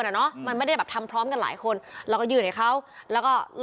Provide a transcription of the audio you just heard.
อ่ะเนอะมันไม่ได้แบบทำพร้อมกันหลายคนแล้วก็ยื่นให้เขาแล้วก็